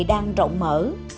đang rộng mở